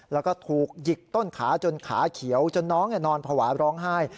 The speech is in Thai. แล้วก็ถูกหยิกต้นขาจนขาเขียวจนน้องนอนภาวะร้องไห้